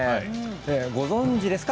ご存じですか？